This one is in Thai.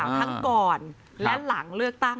ทั้งก่อนและหลังเลือกตั้ง